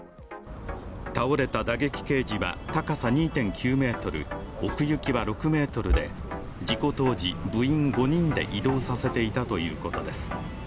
倒れた打撃ケージは高さ２．９ｍ奥行きは６ｍで事故当時、部員５人で移動させていたということです。